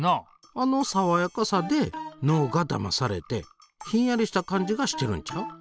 あのさわやかさで脳がだまされてひんやりした感じがしてるんちゃう？